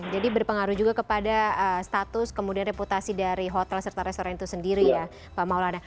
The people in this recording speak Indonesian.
jadi berpengaruh juga kepada status kemudian reputasi dari hotel serta restoran itu sendiri ya pak maulana